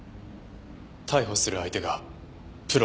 逮捕する相手がプロか素人か。